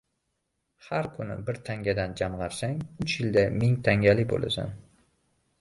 • Har kuni bir tangadan jamg‘arsang, uch yilda ming tangali bo‘lasan.